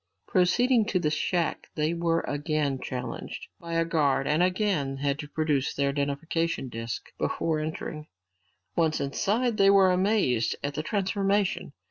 Proceeding to the shack they were again challenged by a guard and again had to produce their identification disks before entering. Once inside, they were amazed at the transformation.